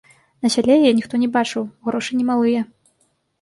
На сяле яе ніхто не бачыў, грошы не малыя.